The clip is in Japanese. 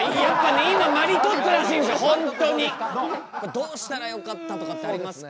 どうしたらよかったとかってありますか？